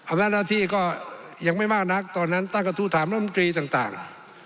หน้าที่ก็ยังไม่มากนักตอนนั้นตั้งกระทู้ถามรัฐมนตรีต่าง